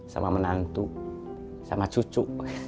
sama menantu sama cucu